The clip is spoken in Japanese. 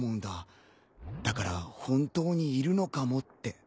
だから本当にいるのかもって。